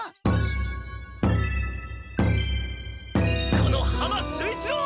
この浜守一郎！